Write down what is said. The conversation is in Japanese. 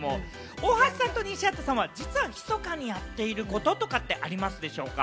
大橋さんと西畑さんは実はひそかにやっていることとかって、ありますでしょうか？